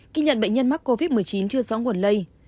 ghi nhận bệnh nhân mắc covid một mươi chín chưa rõ nguồn lây